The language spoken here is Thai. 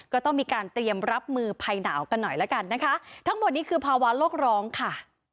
ก็ต้องมีการเตรียมรับมือภัยหนาวกันหน่อยแล้วกันนะคะทั้งหมดนี้คือภาวะโลกร้องค่ะ